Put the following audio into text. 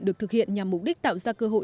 được thực hiện nhằm mục đích tạo ra cơ hội